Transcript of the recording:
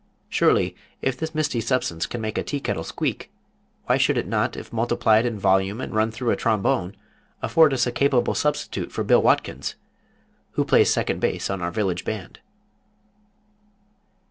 Surely if this misty substance can make a tea kettle squeak, why should it not, if multiplied in volume and run through a trombone, afford us a capable substitute for Bill Watkins, who plays second base on our Village Band?